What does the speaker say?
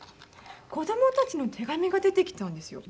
子どもたちの手紙が出てきたんですよ。